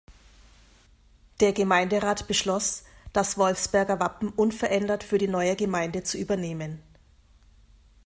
Der Gemeinderat beschloss, das Wolfsberger Wappen unverändert für die neue Gemeinde zu übernehmen.